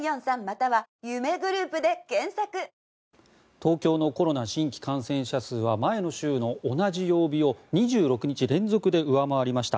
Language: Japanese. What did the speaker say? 東京のコロナ新規感染者数は前の週の同じ曜日を２６日連続で上回りました。